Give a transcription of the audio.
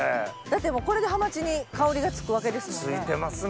だってこれでハマチに香りがつくわけですもんね。